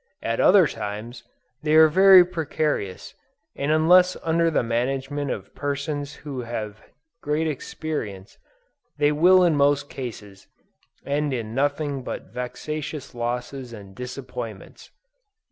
At other times, they are very precarious, and unless under the management of persons who have great experience, they will in most cases, end in nothing but vexatious losses and disappointments.